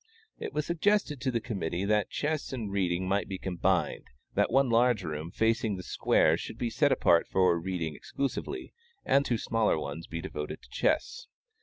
It was suggested to the committee that chess and reading might be combined; that one large room facing the square should be set apart for reading exclusively, and two smaller ones be devoted to chess.